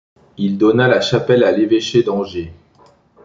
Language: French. Il donna la chapelle à l’Evêché d'Angers.